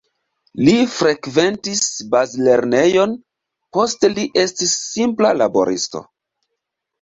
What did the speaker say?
Li frekventis bazlernejon, poste li estis simpla laboristo.